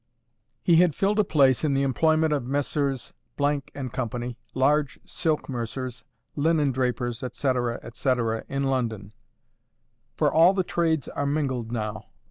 He had filled a place in the employment of Messrs——& Co., large silk mercers, linen drapers, etc., etc., in London; for all the trades are mingled now.